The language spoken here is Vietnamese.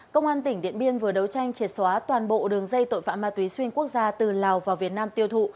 công an tỉnh điện biên vừa đấu tranh triệt xóa toàn bộ đường dây tội phạm ma túy xuyên quốc gia từ lào vào việt nam tiêu thụ